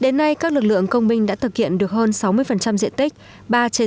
đến nay các lực lượng công minh đã thực hiện được hơn sáu mươi diện tích